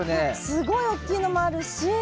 すごい大きいのもあるし。